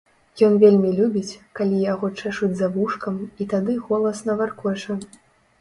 Ён вельмі любіць, калі яго чэшуць за вушкам, і тады голасна варкоча.